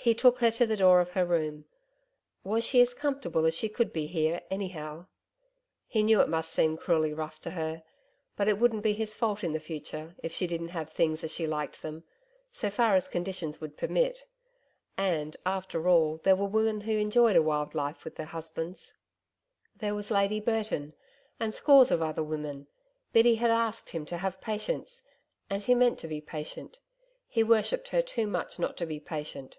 He took her to the door of her room .... Was she as comfortable as she could be here, anyhow? .... He knew it must seem cruelly rough to her; but it wouldn't be his fault in the future if she didn't have things as she liked them so far as conditions would permit .... And after all, there women who enjoyed a wild life with their husbands. There was Lady Burton and scores of other women Biddy had asked him to have patience and he meant to be patient he worshipped her too much not to be patient.